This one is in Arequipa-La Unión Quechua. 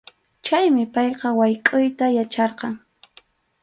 Chaymi payqa waykʼuyta yacharqan.